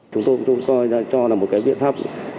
chúng tôi cũng coi cho là một viện pháp